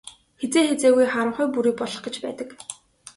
Хэзээ хэзээгүй харанхуй бүрий болох гэж байдаг.